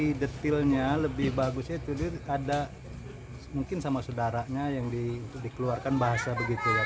lebih detailnya lebih bagusnya itu ada mungkin sama saudaranya yang dikeluarkan bahasa begitu ya